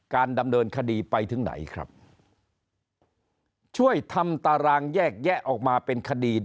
การดำเนินคดีไปถึงไหนครับช่วยทำตารางแยกแยะออกมาเป็นคดี